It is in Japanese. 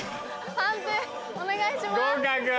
判定お願いします。